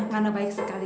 ngana baik sekali